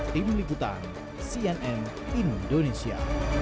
tim liputan cnn indonesia